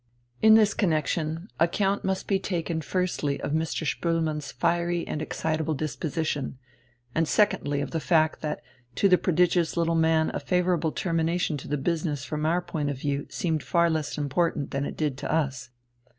In this connexion account must be taken firstly of Mr. Spoelmann's fiery and excitable disposition, and secondly of the fact that to the prodigious little man a favourable termination to the business from our point of view seemed far less important than it did to us.